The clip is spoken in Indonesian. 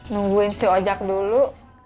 nungguin si ojak dulu